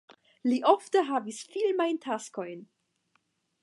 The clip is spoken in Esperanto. Li ofte havis filmajn taskojn.